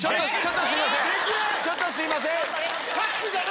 ちょっとすいません。